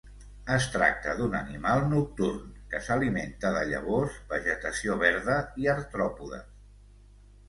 Es tracta d'un animal nocturn que s'alimenta de llavors, vegetació verda i artròpodes.